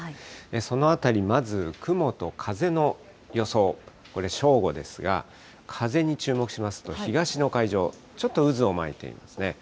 そのあたり、まず雲と風の予想、これ、正午ですが、風に注目しますと、東の海上、ちょっと渦を巻いていますね。